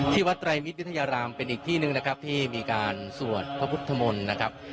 วัดไตรมิตรวิทยารามเป็นอีกที่หนึ่งนะครับที่มีการสวดพระพุทธมนตร์นะครับ